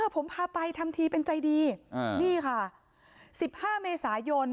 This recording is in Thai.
ผมพาไปทำทีเป็นใจดีนี่ค่ะ๑๕เมษายน